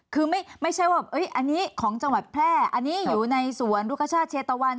คือไม่ใช่ว่าอันนี้ของจังหวัดแพร่อันนี้อยู่ในสวนรุคชาติเชตะวัน